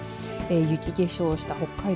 雪化粧した北海道